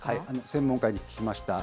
専門家に聞きました。